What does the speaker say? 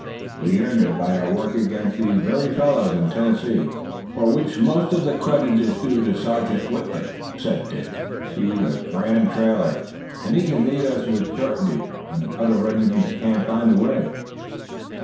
We earned it by our work against these very fellows in Tennessee." "For which most of the credit is due to Sergeant Whitley," said Dick. "He's a grand trailer, and he can lead us with certainty, when other regiments can't find the way."